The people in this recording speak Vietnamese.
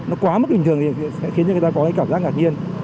nó quá mức bình thường thì sẽ khiến cho người ta có cái cảm giác ngạc nhiên